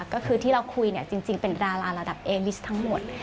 ก็คือที่เราคุยเนี่ยจริงเป็นดาราระดับเอวิชทั้งหมด